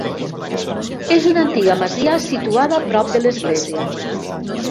És una antiga masia situada a prop de l'església.